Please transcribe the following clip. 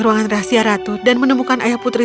ruangan rahasia ratu dan menemukan ayah putri